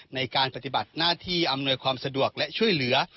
ในการปฏิบัติหน้าที่อำนวยความสะดวกและช่วยเหลือ